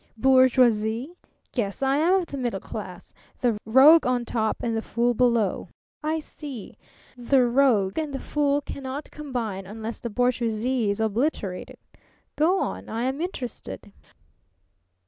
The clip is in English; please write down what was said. "Bourgeoisie? Yes, I am of the middle class; the rogue on top and the fool below. I see. The rogue and the fool cannot combine unless the bourgeoisie is obliterated. Go on. I am interested."